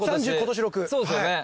そうですよね。